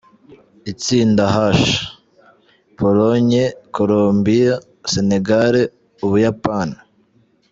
Itsinda H: Pologne, Colombie, Sénégal, u Buyapani.